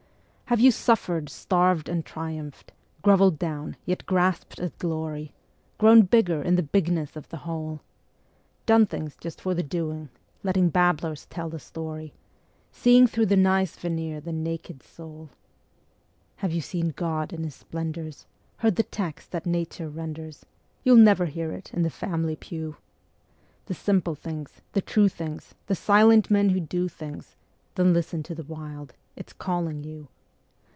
Have you suffered, starved and triumphed, groveled down, yet grasped at glory, Grown bigger in the bigness of the whole? "Done things" just for the doing, letting babblers tell the story, Seeing through the nice veneer the naked soul? Have you seen God in His splendors, heard the text that nature renders? (You'll never hear it in the family pew). The simple things, the true things, the silent men who do things Then listen to the Wild it's calling you.